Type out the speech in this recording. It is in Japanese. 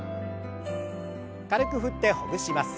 軽く振ってほぐします。